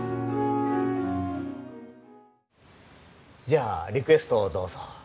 じゃあリクエストをどうぞ。